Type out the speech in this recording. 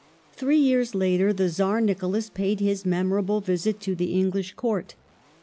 Three years later the Czar Nicholas paid his memorable visit The Czar to the English Court.